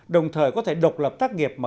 đồng thời có thể độc lập tác nghiệp mà